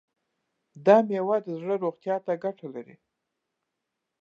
دا میوه د زړه روغتیا ته ګټه لري.